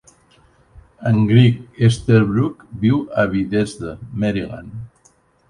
En Gregg Easterbrook viu a Bethesda, Maryland.